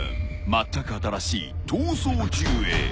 ［まったく新しい『逃走中』へ！］